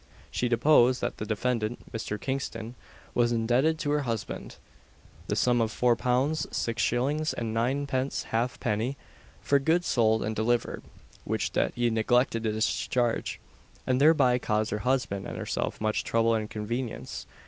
She deposed that the defendant, Mr. Kingston, was indebted to her husband the sum of four pounds six shillings and ninepence halfpenny, for goods sold and delivered; which debt he neglected to discharge, and thereby caused her husband and herself much trouble and inconvenience.